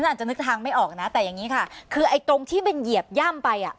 อาจจะนึกทางไม่ออกนะแต่อย่างนี้ค่ะคือไอ้ตรงที่มันเหยียบย่ำไปอ่ะ